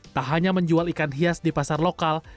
tak hanya menjual ikan hias di pasar lokal